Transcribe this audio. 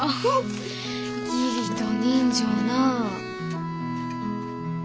義理と人情なあ。